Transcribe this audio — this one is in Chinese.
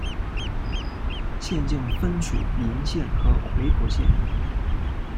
县境分属鄞县和回浦县。